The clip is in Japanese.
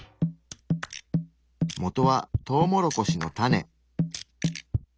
もとはトウモロコシの種。